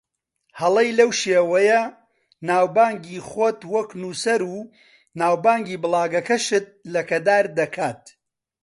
هەڵەی لەو شێوەیە ناوبانگی خۆت وەکو نووسەر و ناوبانگی بڵاگەکەشت لەکەدار دەکات